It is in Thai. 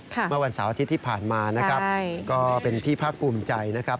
เมื่อวันเสาร์อาทิตย์ที่ผ่านมานะครับก็เป็นที่ภาคภูมิใจนะครับ